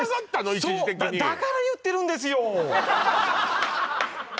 一時的にだから言ってるんですよ